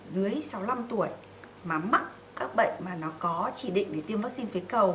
dưới sáu mươi năm tuổi mà mắc các bệnh mà nó có chỉ định để tiêm vaccine phế cầu